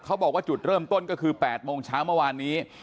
เขาบอกว่าจุดเริ่มต้นก็คือ๘โมงเช้าเมื่อวานนี้